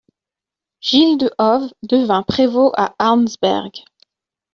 Gilles de Hove devint prévôt à Arnsberg.